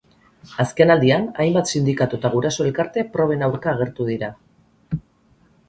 Azken aldian, hainbat sindikatu eta guraso elkarte proben aurka agertu dira.